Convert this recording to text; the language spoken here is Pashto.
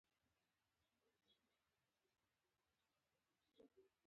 درې میاشتې وروسته یې د مجاهد مسوول مدیر وټاکلم.